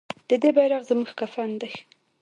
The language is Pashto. د دې بیرغ زموږ کفن دی